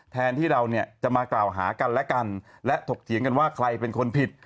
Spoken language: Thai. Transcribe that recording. แทนที่เราเนี่ยจะมากล่าวหากันและกันและถกเถียงกันว่าใครเป็นคนผิด